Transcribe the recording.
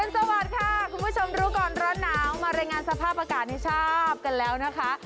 สวัสดีค่ะคุณผู้ชมรู้ก่อนร้อนหนาวมารายงานสภาพอากาศให้ทราบกันแล้วนะคะ